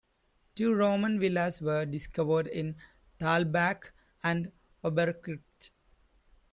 Two Roman villas were discovered in Thalbach and Oberkirch.